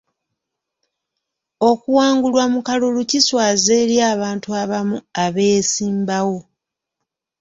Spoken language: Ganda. Okuwangulwa mu kalulu kiswaza eri abantu abamu abeesimbawo.